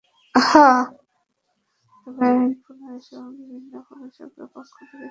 তবে আইন প্রণয়নসহ বিভিন্নভাবে সরকারের পক্ষ থেকে সমস্যা সমাধানের চেষ্টা চালানো হচ্ছে।